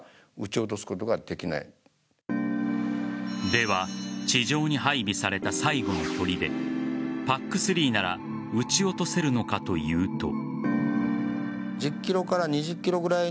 では地上に配備された最後のとりでＰＡＣ‐３なら撃ち落とせるのかというと。